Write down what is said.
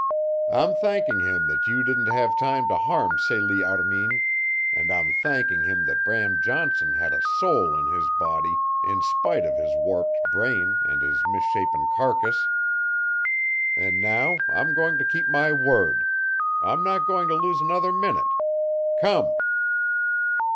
"I'm thanking Him that you didn't have time to harm Celie Armin, an' I'm thanking Him that Bram Johnson had a soul in his body in spite of his warped brain and his misshapen carcass. And now I'm going to keep my word. I'm not going to lose another minute. Come!"